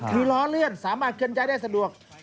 คือล้อเลื่อนสามารถเคลื่อนย้ายได้สะดวก